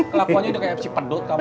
kelakuan dia udah kayak si pedut kamu